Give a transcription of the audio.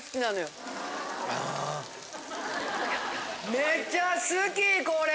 めっちゃ好きこれ。